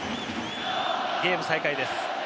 ゲーム再開です。